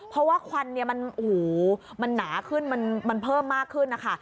เพราะว่าควันเนี่ยมันหนาขึ้นมันเพิ่มมากขึ้นนะคะ